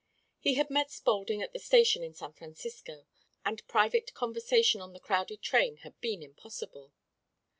He had met Spaulding at the station in San Francisco, and private conversation on the crowded train had been impossible.